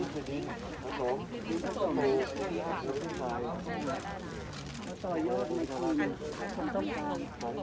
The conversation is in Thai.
ครับพอเรามาผสมคุณพี่พร้อมคุณกันจากการจัดสร้างเกณฑ์มาก